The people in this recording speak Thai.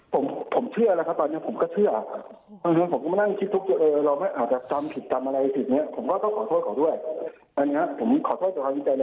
ผมใช่ผมเชื่อแหละครับตอนนี้ผมก็ชื่อค่ะถึงว่าผมก็ไม่คิดทุกชั่วเองเราไม่ชอบธังผิดธรรมอะไรหรือที่นี่